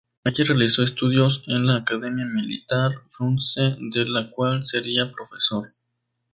Allí realizó estudios en la Academia Militar Frunze, de la cual sería profesor.